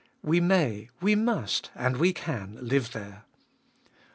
We may, we must, and we can live there.